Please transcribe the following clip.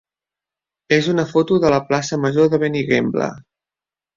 és una foto de la plaça major de Benigembla.